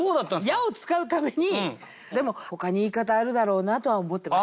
「や」を使うためにでもほかに言い方あるだろうなとは思ってました。